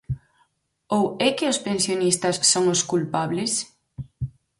Ou é que os pensionistas son os culpables?